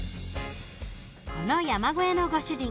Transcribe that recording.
この山小屋のご主人